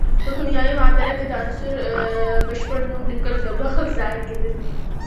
په کیمیاوي معادله کې د عنصر بشپړ نوم لیکل د وخت ضایع کیدل دي.